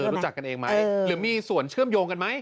รู้จักกันเองไหมหรือมีส่วนเชื่อมโยงกันไหม